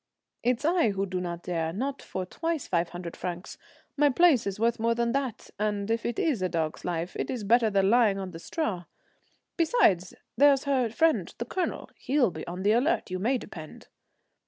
"It's I who do not dare not for twice five hundred francs. My place is worth more than that; and if it is a dog's life, it is better than lying on the straw. Besides, there's her friend the Colonel, he'll be on the alert, you may depend."